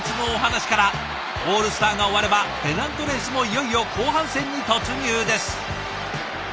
オールスターが終わればペナントレースもいよいよ後半戦に突入です。